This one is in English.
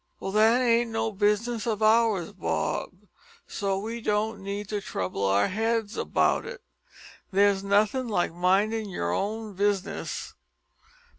"Well, that ain't no bizzness of ours, Bob, so we don't need to trouble our heads about it. There's nothin' like mindin' yer own bizzness.